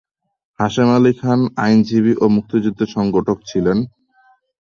হাশেম আলী খান আইনজীবী ও মুক্তিযুদ্ধের সংগঠক ছিলেন।